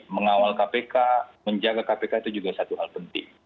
mengawal kpk menjaga kpk itu juga satu hal penting